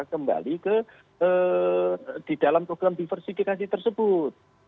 kembali ke di dalam program diversifikasi tersebut